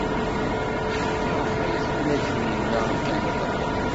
Maɣef ay tunag Taninna ɣer Kanada?